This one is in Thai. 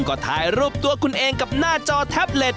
ก็ถ่ายรูปตัวคุณเองกับหน้าจอแท็บเล็ต